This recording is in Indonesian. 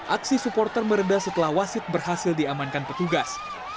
aksi supporter meredah setelah wasit berhasil diamankan petugas